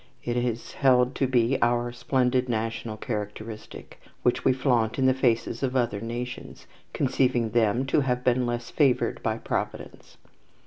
It is held to be our splendid national characteristic, which we flaunt in the faces of other nations, conceiving them to have been less favoured by Providence.